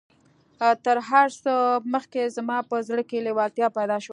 تر هر څه مخکې زما په زړه کې لېوالتيا پيدا شوه.